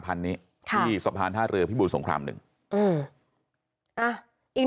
พันนี้ค่ะที่สะพานท่าเรือพิบูรสงครามหนึ่งอืมอ่ะอีก